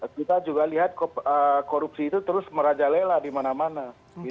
kita juga lihat korupsi itu terus merajalela di mana mana